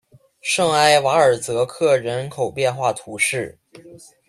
圣埃瓦尔泽克人口变化图示